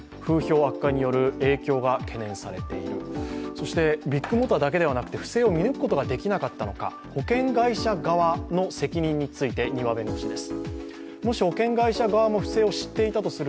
そしてビッグモーターだけではなくて不正を見抜くことができなかったのか、保険会社側の責任について丹羽弁護士です。